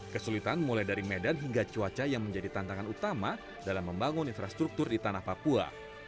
kesulitan mulai dari medan hingga cuaca yang menjadi tantangan utama dalam membangun infrastruktur di tanah papua